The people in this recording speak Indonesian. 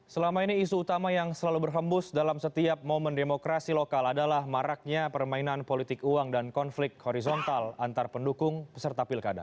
selama ini isu utama yang selalu berhembus dalam setiap momen demokrasi lokal adalah maraknya permainan politik uang dan konflik horizontal antar pendukung peserta pilkada